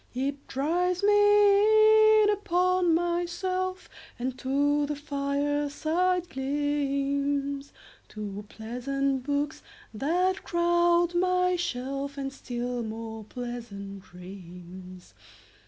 It drives me in upon myself 5 And to the fireside gleams, To pleasant books that crowd my shelf, And still more pleasant dreams.